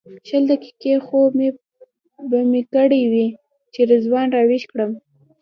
شل دقیقې خوب به مې کړی وي چې رضوان راویښ کړم.